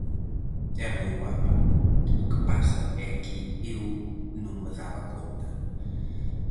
E moi guapa, o que pasa é que eu non me daba conta.